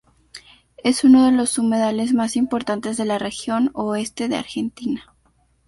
Es uno de los humedales más importantes de la región oeste de Argentina.